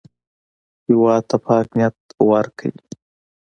هېواد ته پاک نیت ورکړئ